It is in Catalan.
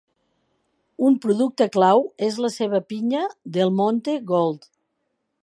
Un producte clau és la seva pinya Del Monte Gold.